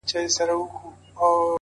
صدقه دي تر تقوا او تر سخا سم!!